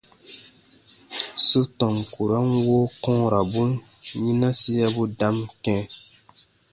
Su tɔn kurɔn woo kɔ̃ɔrabun yinasiabu dam kɛ̃.